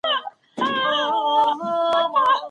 افغان سرتېري د حکومتي ځواکونو لاندې ودرېد.